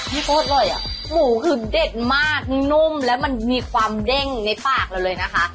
พูดเลยอ่ะหมูคือเด็ดมากนุ่มแล้วมันมีความเด้งในปากเราเลยนะคะ